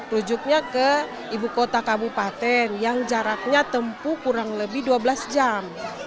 rujuknya ke ibu kota kabupaten yang jaraknya tempuh kurang lebih dua belas jam